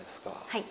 はい。